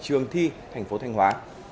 trường thi tp thanh hóa